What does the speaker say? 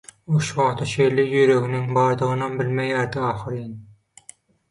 Ol şu wagta çenli ýüreginiň bardygynam bilmeýärdi ahyryn.